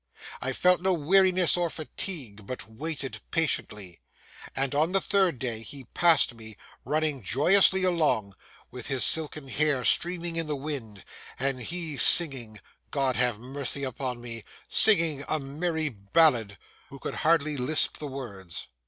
I felt no weariness or fatigue, but waited patiently, and on the third day he passed me, running joyously along, with his silken hair streaming in the wind, and he singing—God have mercy upon me!—singing a merry ballad,—who could hardly lisp the words.